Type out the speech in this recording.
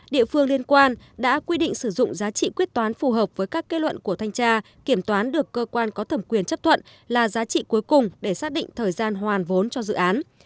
địa phương liên quan đã quy định sử dụng giá trị quyết toán phù hợp với các kết luận của thanh tra kiểm toán được cơ quan có thẩm quyền chấp thuận là giá trị cuối cùng để xác định thời gian hoàn vốn cho dự án